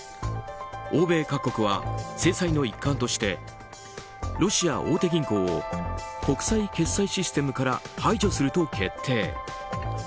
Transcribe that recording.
欧米各国は制裁の一環としてロシア大手銀行を国際決済システムから排除すると決定。